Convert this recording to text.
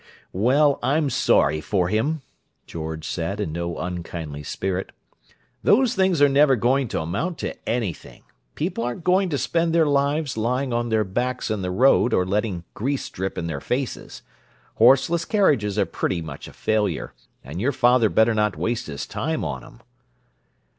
"Well, I'm sorry for him," George said, in no unkindly spirit. "Those things are never going to amount to anything. People aren't going to spend their lives lying on their backs in the road and letting grease drip in their faces. Horseless carriages are pretty much a failure, and your father better not waste his time on 'em."